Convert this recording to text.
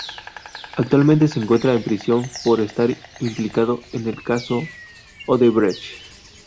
Actualmente se encuentra en prisión por estar implicado en el Caso Odebrecht.